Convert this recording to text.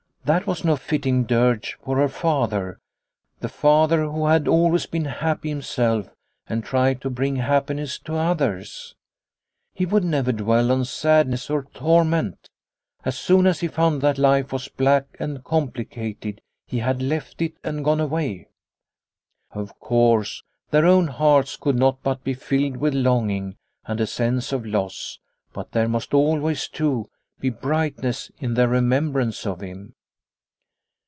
That was no fitting dirge for her father, the father who had always been happy himself and tried to bring happiness to others. He would never dwell on sadness or torment. As soon as he found that life was black and complicated he 258 Liliecrona's Home had left it and gone away. Of course, their own hearts could not but be filled with longing, and a sense of loss, but there must always, too, be brightness in their remembrance of him.